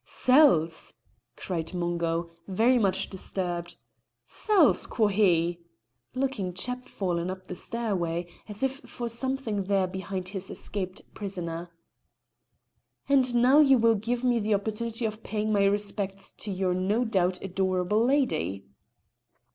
"Cells!" cried Mungo, very much disturbed. "Cells! quo' he," looking chapfallen up the stairway, as if for something there behind his escaped prisoner. "And now you will give me the opportunity of paying my respects to your no doubt adorable lady."